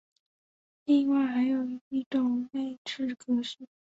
另外还有一种内置格式。